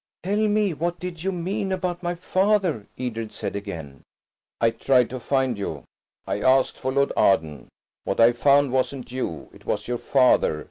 "Tell me, what did you mean–about my father?" Edred said again. "I tried to find you–I asked for Lord Arden. What I found wasn't you–it was your father.